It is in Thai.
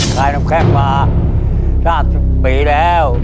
ใครน้ำแข็งมา๓๐ปีแล้ว